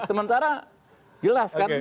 sementara jelas kan